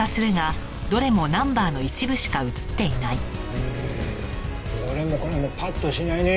うーんどれもこれもパッとしないね。